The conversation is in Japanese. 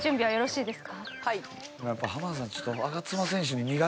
はい。